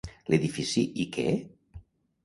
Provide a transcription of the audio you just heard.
L'edifici i què?